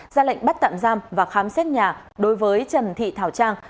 ra lệnh bắt tạm giam và khám xét nhà đối với trần thị thảo trang